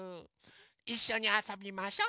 いっしょにあそびましょ。